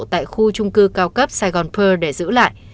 tại khu trung cư cao cấp sài gòn pơ để giữ lại